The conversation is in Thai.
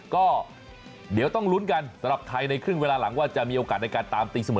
ก็เดี๋ยวต้องลุ้นกันสำหรับไทยในครึ่งเวลาหลังว่าจะมีโอกาสในการตามตีเสมอ